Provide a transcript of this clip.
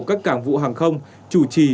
các cảng vụ hàng không chủ trì